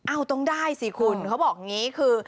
ต้องได้สิคุณเขาบอกอย่างนี้คือ